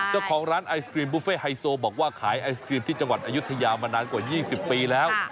เจ้าของร้านไอศครีมบุฟเฟ่ไฮโซบอกว่าขายไอศกรีมที่จังหวัดอายุทยามานานกว่า๒๐ปีแล้ว